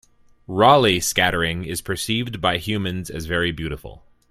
Raleigh scattering is perceived by humans as very beautiful.